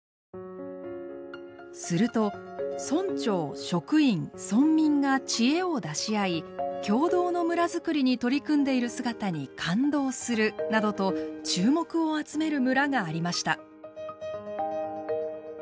すると「村長職員村民が知恵を出し合い協働の村づくりに取り組んでいる姿に感動する」などと注目を集める村がありました。